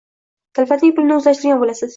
Davlatning pulini o‘zlashtirgan bo‘lasiz.